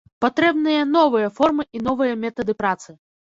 Патрэбныя новыя формы і новыя метады працы.